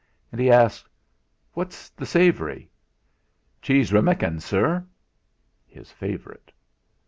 And he asked: "What's the savoury?" "Cheese remmykin, sir." His favourite.